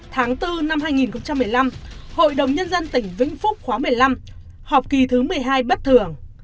tháng bốn năm hai nghìn một mươi năm hội đồng nhân dân tỉnh vĩnh phúc khóa một mươi năm họp kỳ thứ một mươi hai bất thường